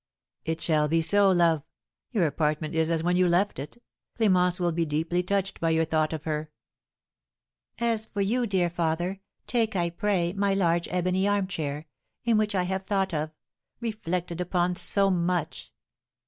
"It shall be so, love; your apartment is as when you left it. Clémence will be deeply touched by your thought of her." "As for you, dear father, take, I pray, my large ebony armchair, in which I have thought of reflected upon so much."